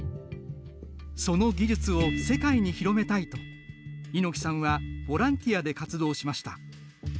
その技術を世界に広めたいと猪木さんはボランティアで活動しました。